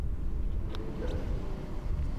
Lindberg.